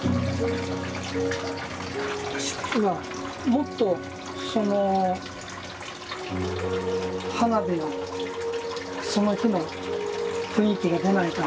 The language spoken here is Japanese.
もっとその花火のその日の雰囲気が出ないかなぁ。